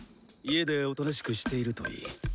家でおとなしくしているといい。